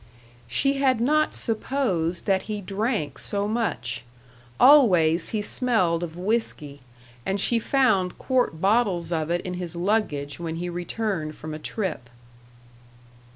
She had not supposed that he drank so much. Always he smelled of whisky, and she found quart bottles of it in his luggage when he returned from a trip.